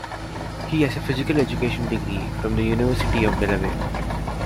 He has a physical education degree from the University of Delaware.